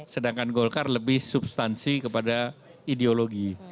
sedangkan golkar lebih substansi kepada ideologi